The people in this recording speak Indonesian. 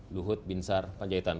luhut binsar panjaitan